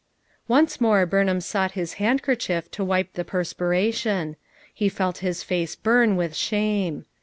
Once more Burnham sought his handkerchief to wipe the perspiration; he felt his face burn with shame.